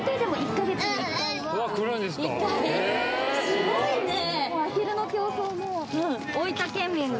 すごいね。